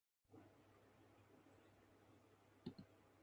Svetly is the nearest rural locality.